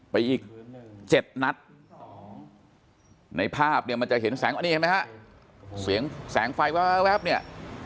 ไปอีก๗นัชในภาพมันจะเห็นแสงแสงไฟแวปเนี่ย